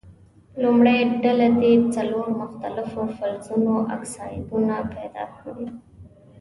لومړۍ ډله دې څلور مختلفو فلزونو اکسایدونه پیداکړي.